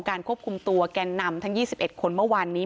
ควบคุมตัวแกนนำทั้ง๒๑คนเมื่อวานนี้